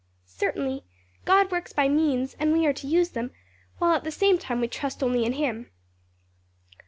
"Certainly; God works by means, and we are to use them, while at the same time we trust only in him."